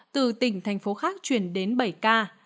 tỉnh thành phố khác chuyển đến bảy ca